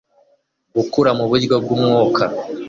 gukura mu buryo bw'umwuka